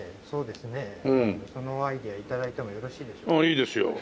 いいですよ。